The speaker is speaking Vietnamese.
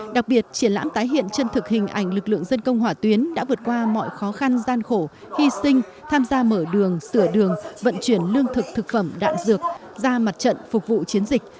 đặc biệt triển lãm tái hiện chân thực hình ảnh lực lượng dân công hỏa tuyến đã vượt qua mọi khó khăn gian khổ hy sinh tham gia mở đường sửa đường vận chuyển lương thực thực phẩm đạn dược ra mặt trận phục vụ chiến dịch